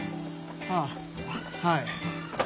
あぁはい。